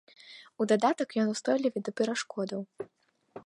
У дадатак ён устойлівы да перашкодаў.